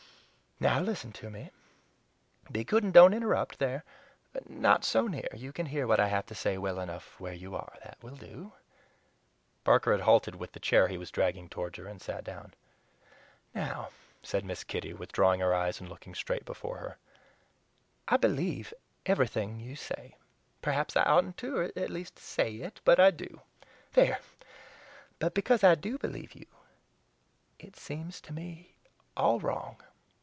"Now listen to me be good and don't interrupt! There! not so near; you can hear what I have to say well enough where you are. That will do." Barker had halted with the chair he was dragging toward her and sat down. "Now," said Miss Kitty, withdrawing her eyes and looking straight before her, "I believe everything you say; perhaps I oughtn't to or at least SAY it but I do. There! But because I do believe you it seems to me all wrong!